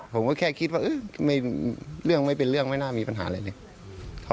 ผมก็แค่คิดว่าเรื่องไม่เป็นเรื่องไม่น่ามีปัญหาอะไรเลย